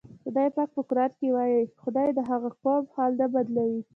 خدای پاک په قرآن کې وایي: "خدای د هغه قوم حال نه بدلوي".